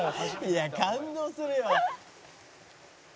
「いや感動するよ」